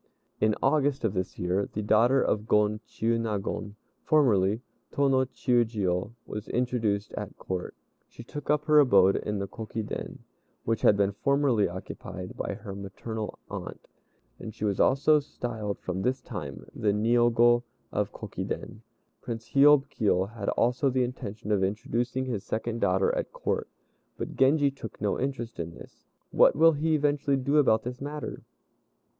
In August, of this year, the daughter of Gon Chiûnagon (formerly Tô no Chiûjiô) was introduced at Court. She took up her abode in the Kokiden, which had been formerly occupied by her maternal aunt, and she was also styled from this time the Niogo of Kokiden. Prince Hiôb Kiô had also the intention of introducing his second daughter at Court, but Genji took no interest in this. What will he eventually do about this matter?